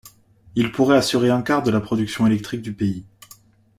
Il pourrait assurer un quart de la production électrique du pays.